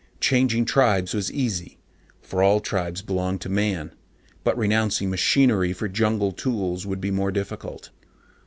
Changing tribes was easy, for all tribes belonged to Man, but renouncing machinery for jungle tools would be more difficult.